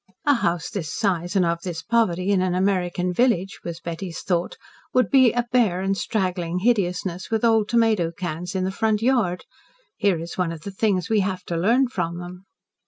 "A house this size and of this poverty in an American village," was Betty's thought, "would be a bare and straggling hideousness, with old tomato cans in the front yard. Here is one of the things we have to learn from them."